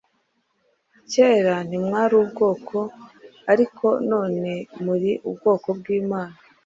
kera ntimwari ubwoko, ariko none muri ubwoko bw’imana: